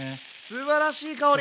すばらしい香り！